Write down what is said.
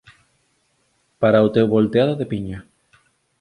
Para o teu volteado de piña.